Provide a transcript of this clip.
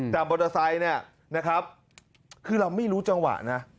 แต่มอเตอร์ไซค์เนี่ยนะครับคือเราไม่รู้จังหวะนะ